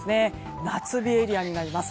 夏日エリアになります。